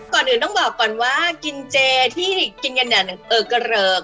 ก่อนอื่นต้องบอกว่ากินเจนที่กินกันในกระเรือก